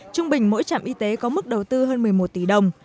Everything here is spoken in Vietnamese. trung bình mỗi trạm y tế có mức đầu tư hơn một mươi một tỷ đồng